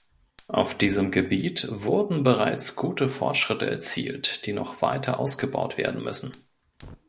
Auf diesem Gebiet wurden bereits gute Fortschritte erzielt, die noch weiter ausgebaut werden müssen.